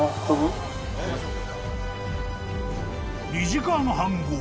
［２時間半後